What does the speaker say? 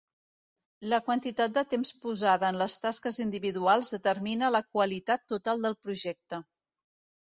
La quantitat de temps posada en les tasques individuals determina la qualitat total del projecte.